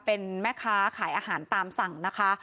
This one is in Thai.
เป็นแม่ค้าขายอาหารตามสั่งนะคะ